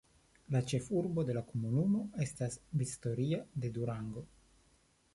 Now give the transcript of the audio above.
La ĉefurbo de la komunumo estas Victoria de Durango.